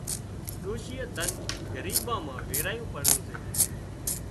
ڏوشيئي ڌنَ ڳريٻان مان ويرايون پرون سي